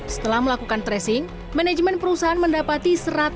setelah melakukan tracing manajemen perusahaan mendapati